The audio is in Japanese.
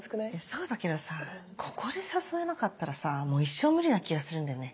そうだけどさここで誘えなかったらさ一生無理な気がするんだよね。